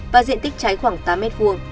và diện tích cháy khoảng tám m hai